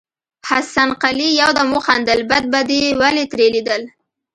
حسن قلي يودم وخندل: بد به دې ولې ترې ليدل.